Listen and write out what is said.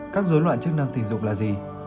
các dối loạn chức năng tình dục là gì